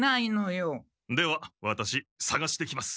ではワタシさがしてきます。